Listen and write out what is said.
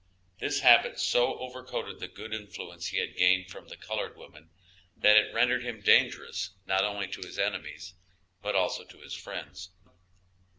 This habit so over coated the good influence he had gained from the colored woman, that it rendered him dangerous not only to his enemies, but also to his friends.